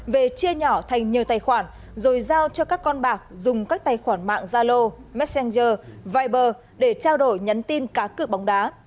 về chia nhỏ thành nhiều tài khoản rồi giao cho các con bạc dùng các tài khoản mạng zalo messenger viber để trao đổi nhắn tin cá cự bóng đá